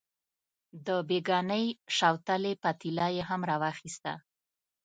د بېګانۍ شوتلې پتیله یې هم راواخیسته.